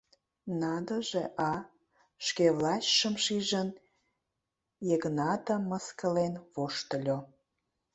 Надо же, а?! — шке властьшым шижын, Йыгнатым мыскылен воштыльо.